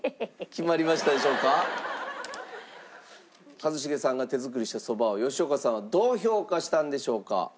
一茂さんが手作りしたそばを吉岡さんはどう評価したんでしょうか？